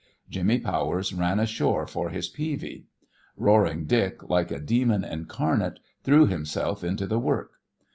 Jimmy Powers ran ashore for his peavie. Roaring Dick, like a demon incarnate, threw himself into the work.